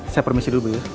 saya permisi dulu bu yoyo